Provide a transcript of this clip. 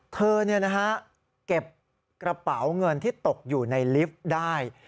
เธอเก็บกระเป๋าเงินที่ตกอยู่ในลิฟต์ได้